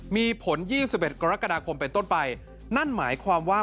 มีผล๒๑กรกฎาคมเป็นต้นไปนั่นหมายความว่า